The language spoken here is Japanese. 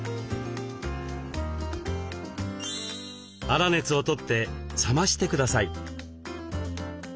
粗熱をとって冷ましてください。